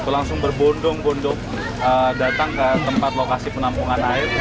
langsung berbondong bondong datang ke tempat lokasi penampungan air